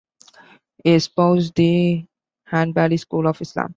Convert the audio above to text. He espoused the Hanbali school of Islam.